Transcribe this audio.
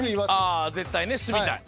ああ絶対ね住みたい。